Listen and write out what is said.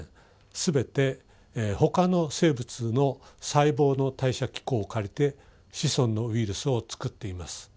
全て他の生物の細胞の代謝機構を借りて子孫のウイルスをつくっています。